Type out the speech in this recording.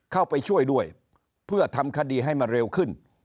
เข้าไปช่วยด้วยเพื่อทำคดีให้มันเร็วขึ้น